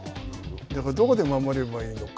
だから、どこで守ればいいのか。